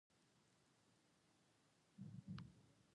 انا د الله رضا غواړي